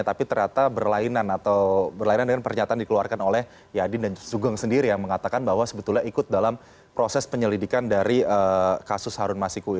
tapi ternyata berlainan atau berlainan dengan pernyataan dikeluarkan oleh yadin dan sugeng sendiri yang mengatakan bahwa sebetulnya ikut dalam proses penyelidikan dari kasus harun masiku ini